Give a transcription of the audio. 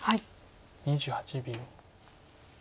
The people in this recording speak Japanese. ２８秒。